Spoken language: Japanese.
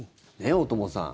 大友さん